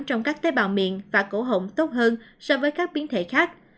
trong các tế bào miền và cổ hộng tốt hơn so với các biến thể khác